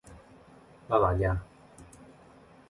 난 아냐.